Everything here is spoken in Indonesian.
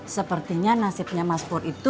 sepertinya nasibnya mas pur itu